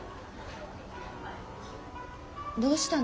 どうしたの？